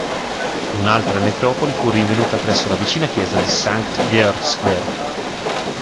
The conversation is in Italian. Un'altra necropoli fu rinvenuta presso la vicina chiesa di Sankt-Georgsberg.